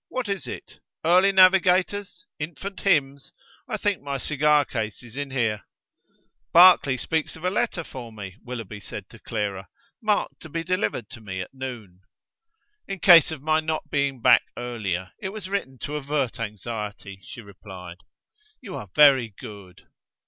What is it? EARLY NAVIGATORS? INFANT HYMNS? I think my cigar case is in here." "Barclay speaks of a letter for me," Willoughby said to Clara, "marked to be delivered to me at noon!" "In case of my not being back earlier; it was written to avert anxiety," she replied. "You are very good."